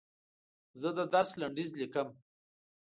زه د درس لنډیز لیکم.